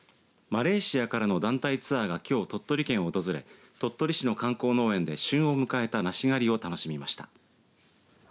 マレーシアからの団体ツアーがきょう鳥取県を訪れ鳥取市の観光農園で旬を迎えた梨狩りを楽しみました。